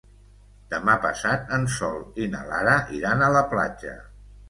Demà passat en Sol i na Lara iran a la platja.